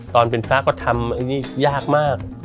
ตอนเป็นฟ้าก็ทำอันนี้ยากมาก